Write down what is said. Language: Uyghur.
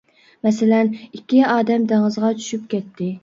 مەسىلەن، ئىككى ئادەم دېڭىزغا چۈشۈپ كەتتى.